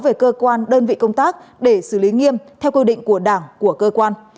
về cơ quan đơn vị công tác để xử lý nghiêm theo quy định của đảng của cơ quan